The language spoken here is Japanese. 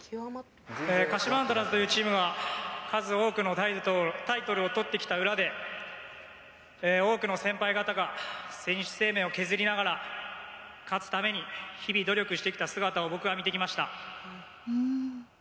鹿島アントラーズというチームは数多くのタイトルを取ってきた裏で多くの先輩方が選手生命を削りながら勝つために日々努力してきた姿を僕は見てきました。